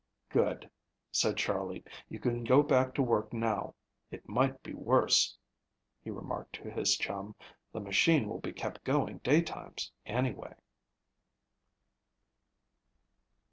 "Good," said Charley, "you can go back to work now. It might be worse," he remarked to his chum. "The machine will be kept going day times anyway."